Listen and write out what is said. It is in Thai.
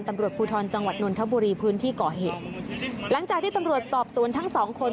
ตำรวจภูทรจังหวัดนนทบุรีพื้นที่ก่อเหตุหลังจากที่ตำรวจสอบสวนทั้งสองคน